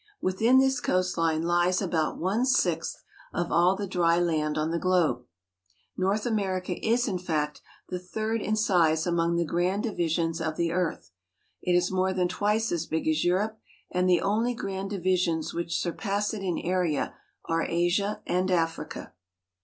Within this coast line lies about one sixth of all the dry land on the globe. North America is, in fact, the third in size among the grand divisions of the earth. It is more than twice as big as Europe, and the only grand divisions which surpass it in area are Asia and Africa.